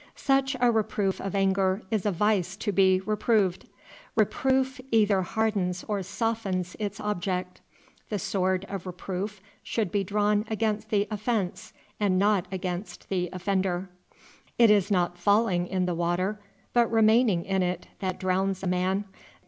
Such a reproof of anger is a vice to be reproved. Reproof either hardens or softens its object. The sword of reproof should be drawn against the offense and not against the offender. It is not falling in the water, but remaining in it, that drowns a man.